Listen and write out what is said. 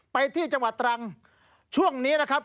ไปที่จังหวัดตรังช่วงนี้นะครับ